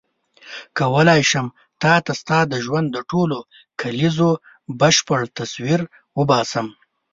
کولای شم تا ته ستا د ژوند د ټولو کلیزو بشپړ تصویر وباسم.